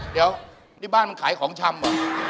เดี๋ยวนี่บ้านมันขายของชำเหรอ